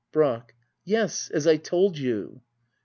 Brack. Yes — as I told you.